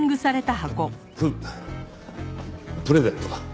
ププレゼントだ。